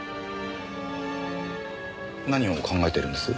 何を考えてるんです？